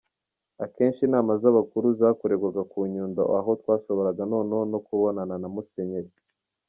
Akenshi inama z’abakuru zakorerwaga ku Nyundo aho twashoboraga noneho no kubonana na Musenyeri.